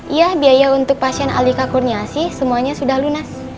iya biaya untuk pasien alika kurniasi semuanya sudah lunas